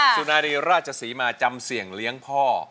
สุนารีราชศรีมาจำเสี่ยงเลี้ยงพ่อ